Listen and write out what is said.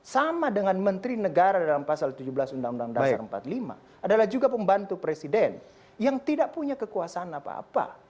sama dengan menteri negara dalam pasal tujuh belas undang undang dasar empat puluh lima adalah juga pembantu presiden yang tidak punya kekuasaan apa apa